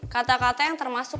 kata kata yang termasuk